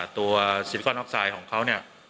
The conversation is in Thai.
ตัวซิลิกอนออกไซด์ของเขา